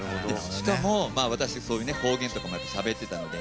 しかも私そういう方言とかもしゃべってたので。